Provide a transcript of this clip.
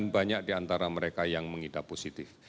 banyak di antara mereka yang mengidap positif